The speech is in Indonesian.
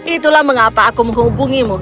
itulah mengapa aku menghubungimu